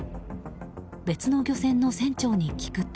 別の漁船の船長に聞くと。